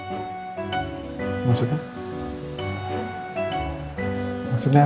jadi kita harus ngelakuin sesuatu hal yang sering kita lakuin dulunya